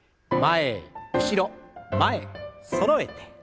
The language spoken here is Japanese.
前後ろ前そろえて。